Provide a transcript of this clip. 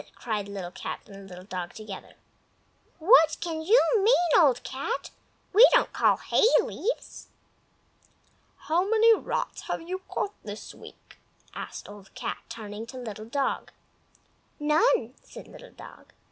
cried Little Cat and Little Dog together. "What can you mean, Old Cat? We don't call hay leaves!" "How many rats have you caught this week?" asked Old Cat, turning to Little Dog. "None!" said Little Dog.